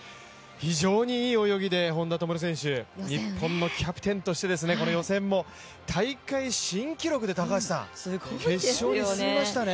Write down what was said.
非常にいい泳ぎで本多灯選手、日本のキャプテンとしてこの予選も大会新記録で決勝に進みましたね。